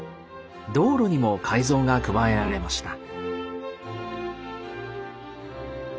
道路にも改造が加えられました。